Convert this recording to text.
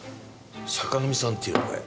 坂上さんっていうのかい？